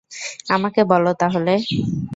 আমাকে বলো, তাহলে।